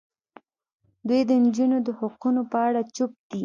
دوی د نجونو د حقونو په اړه چوپ دي.